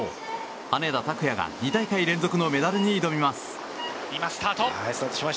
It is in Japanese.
羽根田卓也が２大会連続のメダルに挑みます。